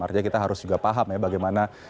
artinya kita harus juga paham ya bagaimana